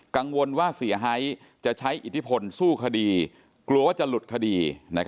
กังวลว่าเสียหายจะใช้อิทธิพลสู้คดีกลัวว่าจะหลุดคดี